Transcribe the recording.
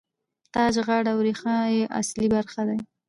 تاج، غاړه او ریښه یې اصلي برخې دي.